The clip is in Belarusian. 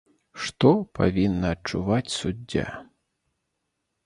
Што павінна адчуваць суддзя?